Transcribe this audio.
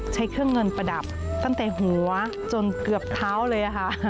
ใช้เครื่องเงินประดับตั้งแต่หัวจนเกือบเท้าเลยค่ะ